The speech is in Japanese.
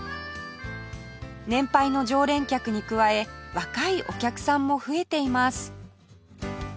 年配の常連客に加え若いお客さんも増えています